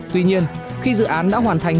tuy nhiên khi dự án đã hoàn thành